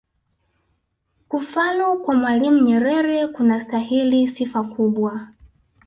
kufalu kwa mwalimu nyerere kunastahili sifa kubwa